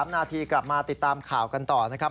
๓นาทีกลับมาติดตามข่าวกันต่อนะครับ